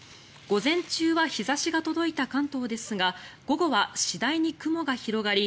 午前中は日差しが届いた関東ですが午後は次第に雲が広がり